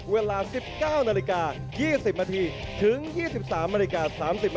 เวลา๑๙น๒๐มถึง๒๓น๓๐ม